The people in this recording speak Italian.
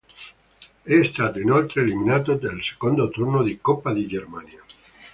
È stato inoltre eliminato nel secondo turno di Coppa di Germania.